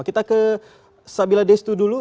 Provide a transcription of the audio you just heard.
kita ke sabila destu dulu